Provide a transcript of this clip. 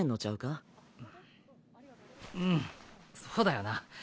んっうんそうだよな。